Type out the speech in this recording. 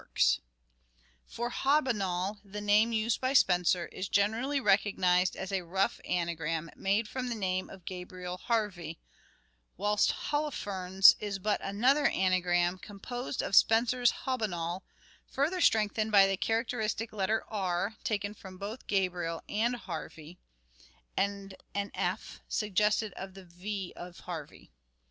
292 " SHAKESPEARE " IDENTIFIED For Hobbinol, the name used by Spenser, is generally recognized as a rough anagram made from the name of Gabriel Harvey, whilst Holofernes is but another anagram composed of Spenser's Hobbinol further strengthened by the characteristic letter " r," taken from both Gabriel and Harvey and an " f," suggestive of the " v " in Harvey.